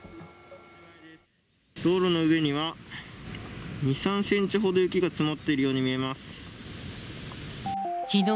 道路の上には２、３センチほど雪が積もっているように見えます。